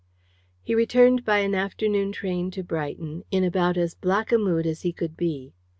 He returned by an afternoon train to Brighton, in about as black a mood as he could be.